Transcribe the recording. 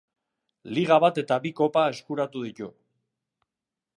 Liga bat eta bi kopa eskuratu ditu.